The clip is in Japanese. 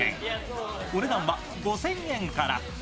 お値段は５０００円から。